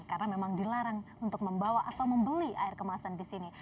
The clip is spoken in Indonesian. karena memang dilarang untuk membawa atau membeli air kemasan di sini